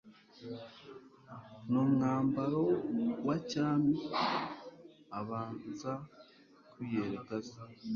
n'umwambaro wa cyami. Abanza kwiyereka Se.